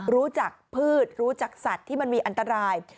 รู้จักพืชรู้จักสัตว์ที่มันมีอันตราย